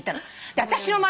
私の周り